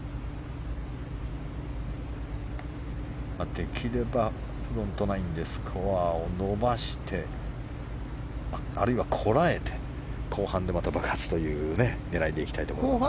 できればフロントナインでスコアを伸ばしてあるいは、こらえて後半でまた爆発という狙いでいきたいところですね。